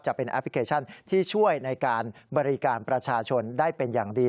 แอปพลิเคชันที่ช่วยในการบริการประชาชนได้เป็นอย่างดี